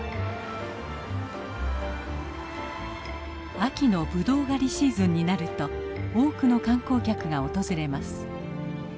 秋のブドウ狩りシーズンになると多くの観光客が訪れます。